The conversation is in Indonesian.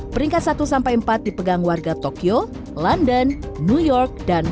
peringkat satu sampai empat dipegang warga tokyo london new york dan